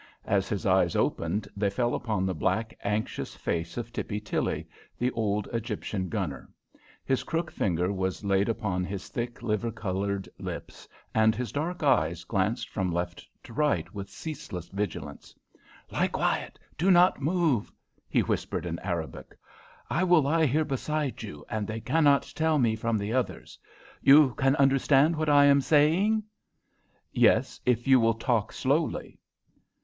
As his eyes opened they fell upon the black, anxious face of Tippy Tilly, the old Egyptian gunner. His crooked finger was laid upon his thick, liver coloured lips, and his dark eyes glanced from left to right with ceaseless vigilance. "Lie quiet! Do not move!" he whispered, in Arabic. "I will lie here beside you, and they cannot tell me from the others. You can understand what I am saying?" "Yes, if you will talk slowly."